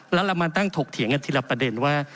แล้วเรามาตั้งถกเถียงกันทีละประเด็นว่า